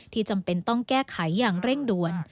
จำเป็นต้องแก้ไขอย่างเร่งด่วน